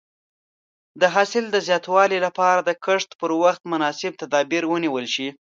د حاصل د زیاتوالي لپاره د کښت پر وخت مناسب تدابیر ونیول شي.